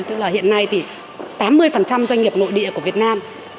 tức là hiện nay thì tám mươi doanh nghiệp nội địa của việt nam